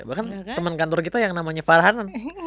bahkan teman kantor kita yang namanya farhanan